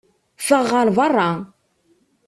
Ffeɣ ɣer berra!